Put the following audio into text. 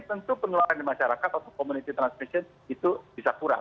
tentu penularan di masyarakat atau community transmission itu bisa kurang